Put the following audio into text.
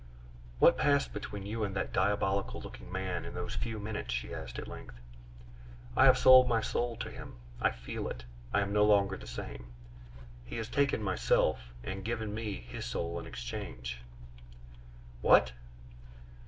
"What passed between you and that diabolical looking man in those few minutes?" she asked at length. "I have sold my soul to him. I feel it; I am no longer the same. He has taken my self, and given me his soul in exchange." "What?"